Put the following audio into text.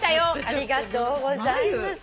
ありがとうございます。